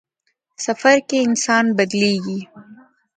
سفر کې انسان بدلېږي.